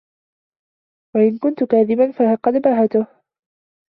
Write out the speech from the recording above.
وَإِنْ كُنْتَ كَاذِبًا فَقَدْ بَهَتَهُ